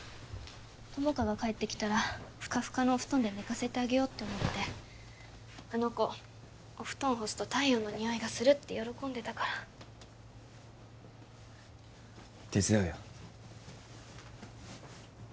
友果が帰ってきたらフカフカのお布団で寝かせてあげようって思ってあの子お布団干すと太陽の匂いがするって喜んでたから手伝うよ